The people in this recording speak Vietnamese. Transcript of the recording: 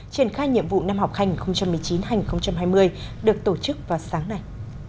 triển khai nhiệm vụ năm học hành một mươi chín hai nghìn hai mươi được tổ chức vào sáng nay